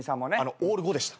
オール５でした。